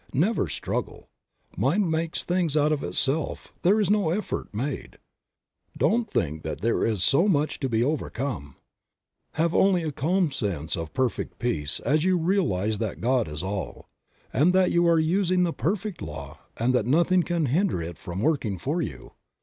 Never struggle, Mind makes things out of Itself, there is no effort made. Don't think that there is so much to be overcome. Have only a calm sense of perfect peace as you realize that God is all, and that you are using the perfect law and that nothing can hinder it from working for you.